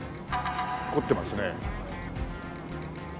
凝ってますね。